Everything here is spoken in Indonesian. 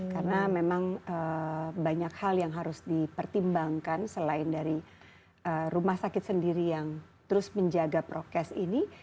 karena memang banyak hal yang harus dipertimbangkan selain dari rumah sakit sendiri yang terus menjaga prokes ini